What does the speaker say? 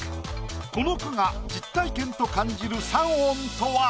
この句が実体験と感じる３音とは？